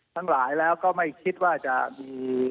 ทั้งหลายแล้วก็ไม่คิดว่าจะมี